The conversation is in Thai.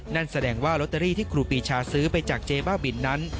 นั่นแสดงว่าลอตเตอรี่ที่ครูปีชาซื้อไปจากเจ๊บ้าบินนั้น